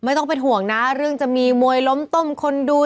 ต้องเป็นห่วงนะเรื่องจะมีมวยล้มต้มคนดู